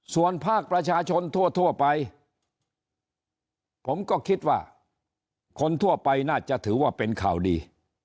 ส่วนภาคประชาชนทั่วไปผมก็คิดว่าคนทั่วไปน่าจะถือว่าเป็นข่าวดี